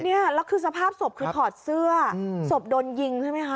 เนี่ยแล้วคือสภาพศพคือถอดเสื้อศพโดนยิงใช่ไหมคะ